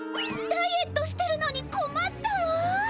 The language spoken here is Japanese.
ダイエットしてるのにこまったわ。